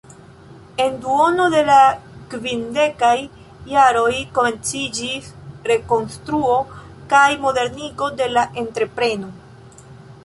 En duono de la kvindekaj jaroj komenciĝis rekonstruo kaj modernigo de la entrepreno.